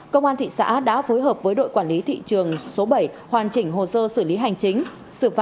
công an thị xã đã phối hợp với đội quản lý thị trường số bảy hoàn chỉnh hồ sơ xử lý hành chính